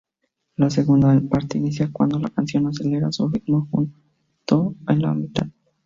La segunda parte inicia cuando la canción acelera su ritmo, justo en la mitad.